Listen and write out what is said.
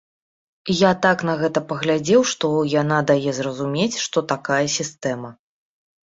Я так на гэта паглядзеў, што яна дае зразумець, што такая сістэма.